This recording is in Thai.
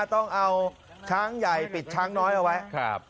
ต้องเอาช้างใหญ่ปิดช้างน้อยเอาไว้